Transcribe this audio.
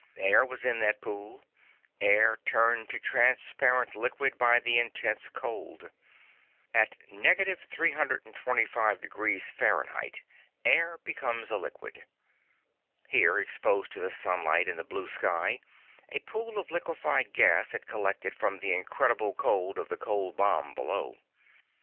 Air was in that pool, air turned to transparent liquid by the intense cold. At 325° Fahrenheit air becomes a liquid. Here, exposed to the sunlight and the blue sky, a pool of liquified gas had collected from the incredible cold of the cold bomb below.